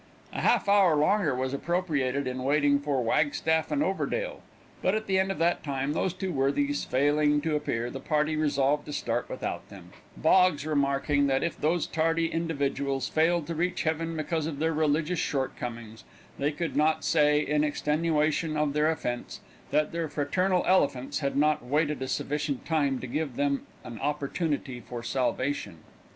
A half hour longer was appropriated in waiting for Wagstaff and Overdale, but at the end of that time, those two worthies failing to appear, the party resolved to start without them, Boggs remarking, that if those tardy individuals failed to reach Heaven because of their religious shortcomings, they could not say, in extenuation of their offence, that their fraternal Elephants had not waited a sufficient time to give them an opportunity for salvation.